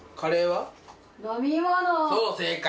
そう正解。